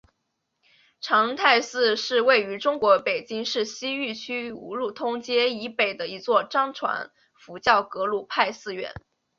长泰寺是位于中国北京市西城区五路通街以北的一座藏传佛教格鲁派寺院。